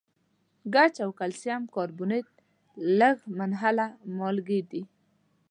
ګچ او کلسیم کاربونیټ لږ منحله مالګې دي.